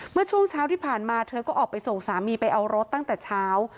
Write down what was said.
เมื่อช่วงเช้าที่ผ่านมาเธอก็ออกไปส่งสามีไปเอารถตั้งแต่เช้า